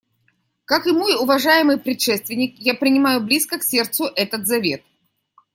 Как и мой уважаемый предшественник, я принимаю близко к сердцу этот завет.